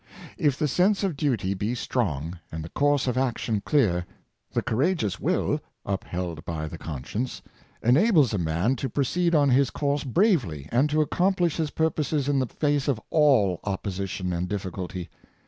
If the sense of duty be strong, and the course of action clear, the courageous will, upheld by the conscience, enables a man to pro ceed on his course bravely, and to accomplish his pur poses in the face of all opposition and difficulty.